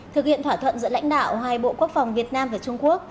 thực hiện thỏa thuận giữa lãnh đạo hai bộ quốc phòng việt nam và trung quốc